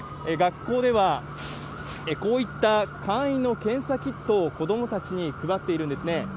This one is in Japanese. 学校では、こういった簡易の検査キットを子どもたちに配っているんですね。